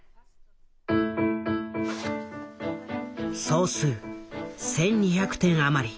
総数１，２００点余り。